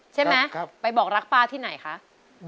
ใช่ไหมไปบอกรักป้าที่ไหนคะ